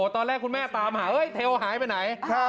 ตอนแรกคุณแม่ตามหาเทลหายไปไหน